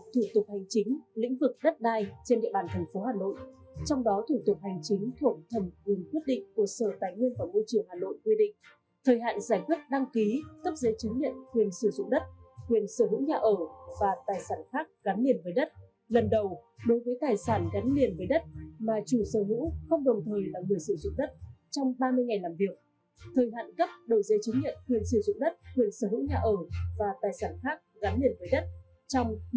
thời hạn gấp đổi dây chứng nhận quyền sử dụng đất quyền sở hữu nhà ở và tài sản khác gắn liền với đất trong bảy ngày làm việc